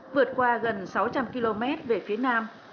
vượt qua gần sáu trăm linh km về phía nam